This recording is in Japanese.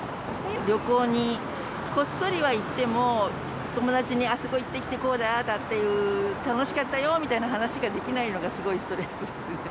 旅行にこっそりは行っても、お友達に、あそこ行ってきて、こうだああだっていう、楽しかったよみたいな話ができないのが、すごいストレスですね。